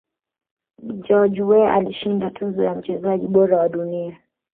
george Weah alishinda tuzo ya mchezaji bora wa dunia